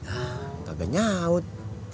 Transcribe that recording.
ah kagaknya aut